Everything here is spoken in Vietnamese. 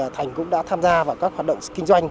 thành cũng đã tham gia vào các hoạt động kinh doanh